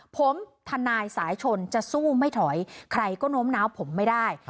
ผมทนายสายชนจะสู้ไม่ถอยใครก็โน้มน้าวผมไม่ได้